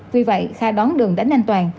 vì vậy kha đón đường đánh anh toàn